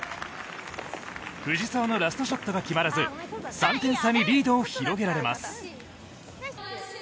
藤澤のラストショットが決まらず３点差にリードを広げられます。